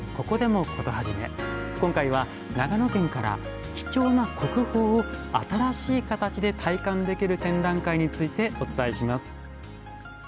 今回は長野県から貴重な国宝を新しい形で体感できる展覧会についてお伝えします。